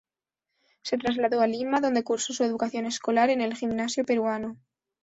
Se trasladó a Lima, donde cursó su educación escolar en el Gimnasio Peruano.